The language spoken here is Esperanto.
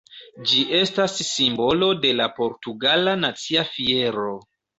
Ĝi estas simbolo de la portugala nacia fiero.